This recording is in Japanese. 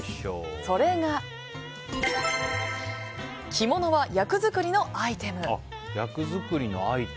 それが、着物は役作りのアイテム。